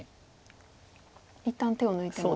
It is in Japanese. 一旦手を抜いても。